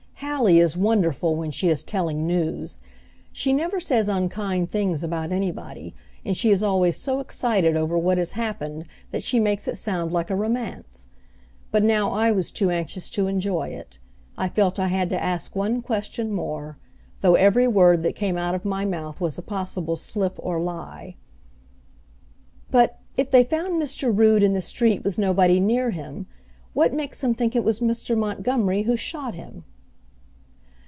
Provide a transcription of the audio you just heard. Hallie is wonderful when she is telling news. She never says unkind things about anybody, and she is always so excited over what has happened that she makes it sound like a romance. But now I was too anxious to enjoy it. I felt I had to ask one question more, though every word that came out of my mouth was a possible slip or lie. "But, if they found Mr. Rood in the street with nobody near him, what makes them think it was Mr. Montgomery who shot him?"